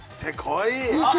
いけ！